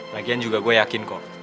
lagian juga gue yakin kok